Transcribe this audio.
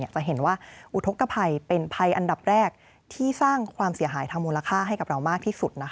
จะเห็นว่าอุทธกภัยเป็นภัยอันดับแรกที่สร้างความเสียหายทางมูลค่าให้กับเรามากที่สุด